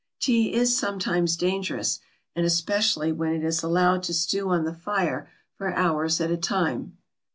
Tea is sometimes dangerous, and especially when it is allowed to stew on the fire for hours at a time.